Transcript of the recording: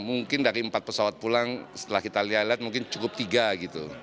mungkin dari empat pesawat pulang setelah kita lihat lihat mungkin cukup tiga gitu